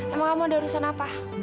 emang kamu ada urusan apa